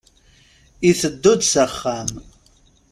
Iteddu-d s axxam.